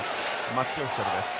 マッチオフィシャルです。